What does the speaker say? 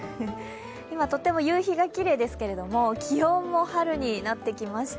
今、とっても夕日がきれいですけど気温も春になってきました。